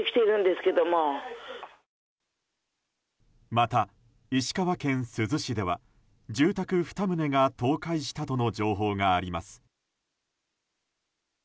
また、石川県珠洲市では住宅２棟が倒壊したとの情報があります。